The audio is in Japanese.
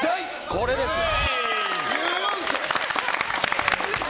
これですよ。